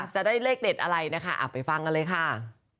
จะได้เลขเด็ดอะไรนะคะไปฟังกันเลยค่ะ